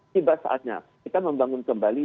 tiba saatnya kita membangun kembali